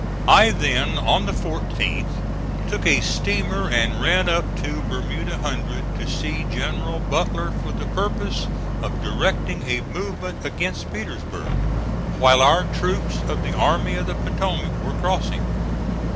I then, on the 14th, took a steamer and ran up to Bermuda Hundred to see General Butler for the purpose of directing a movement against Petersburg, while our troops of the Army of the Potomac were crossing.